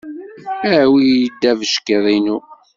Awi-d abeckiḍ-inu.